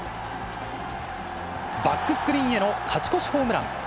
バックスクリーンへの勝ち越しホームラン。